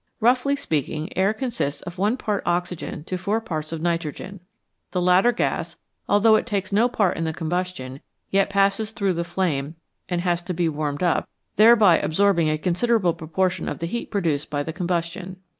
Roughly speaking, air consists of one part of oxygen to four parts of nitrogen ; the latter gas, although it takes no part in the combustion, yet passes through the flame and has to be warmed up, thereby absorbing a considerable pro portion of the heat produced by the combustion.